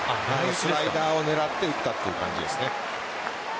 スライダーを狙って打ったという感じですね。